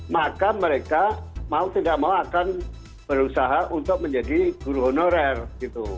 maka mereka mau tidak mau akan berusaha untuk menjadi guru honorer gitu